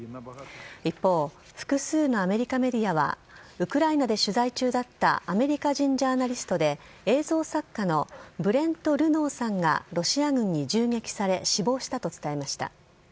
一方、複数のアメリカメディアは、ウクライナで取材中だったアメリカ人ジャーナリストで映像作家のブレント・ルノーさんがロシア軍に銃撃され、死亡したと伝えました。